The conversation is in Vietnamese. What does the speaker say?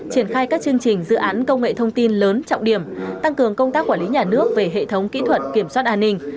triển khai các chương trình dự án công nghệ thông tin lớn trọng điểm tăng cường công tác quản lý nhà nước về hệ thống kỹ thuật kiểm soát an ninh